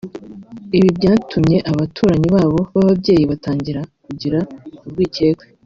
Ibi byatumye abaturanyi b’abo babyeyi batangira kugira urwikekwe